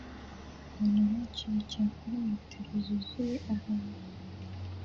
Abantu benshi bicaye kuri metero zuzuye abantu